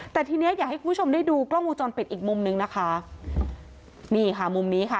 แต่ทีเนี้ยอยากให้คุณผู้ชมได้ดูกล้องวงจรปิดอีกมุมนึงนะคะนี่ค่ะมุมนี้ค่ะ